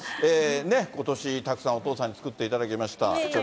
ことしたくさんお父さんに作っていただきました。